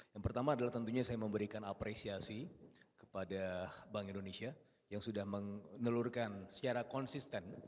yang pertama adalah tentunya saya memberikan apresiasi kepada bank indonesia yang sudah menelurkan secara konsisten